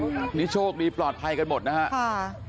นู้นฮะโอ้ย๑๒คนนิดเด็กนั้นช่วงนี้ปลอดภัยกันหมดนะฮะ